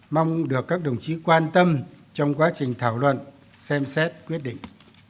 mong được các đồng chí quan tâm trong quá trình thảo luận xem xét quyết định